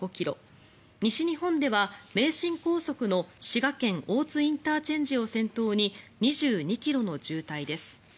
西日本では名神高速の滋賀県・大津ＩＣ付近を先頭に２２ｋｍの渋滞です。